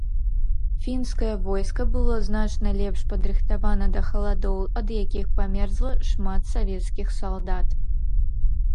Фінскае войска было значна лепш падрыхтавана да халадоў, ад якіх памерзла шмат савецкіх салдат.